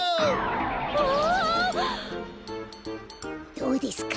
どうですか？